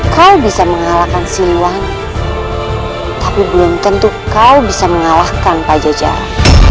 kau bisa mengalahkan si luang tapi belum tentu kau bisa mengalahkan pajajara